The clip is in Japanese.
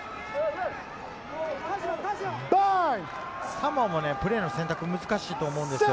サモアのプレーの選択、難しいと思うんですよ。